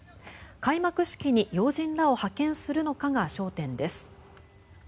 開幕式に要人らを派遣するのかが焦点です。